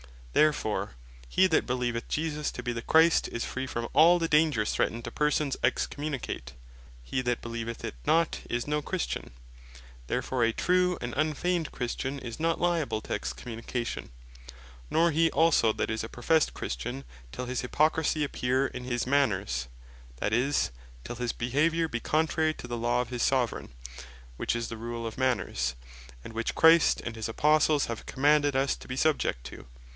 Therefore, he that beleeveth Jesus to be the Christ, is free from all the dangers threatned to persons Excommunicate. He that beleeveth it not, is no Christian. Therefore a true and unfeigned Christian is not liable to Excommunication; Nor he also that is a professed Christian, till his Hypocrisy appear in his Manners, that is, till his behaviour bee contrary to the law of his Soveraign, which is the rule of Manners, and which Christ and his Apostles have commanded us to be subject to.